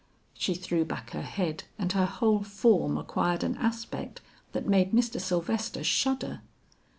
She threw back her head and her whole form acquired an aspect that made Mr. Sylvester shudder.